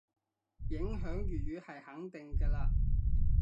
影響粵語係肯定嘅嘞